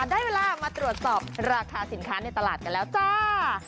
ได้เวลามาตรวจสอบราคาสินค้าในตลาดกันแล้วจ้า